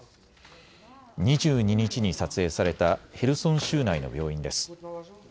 ２２日に撮影されたヘルソン州内の病院です。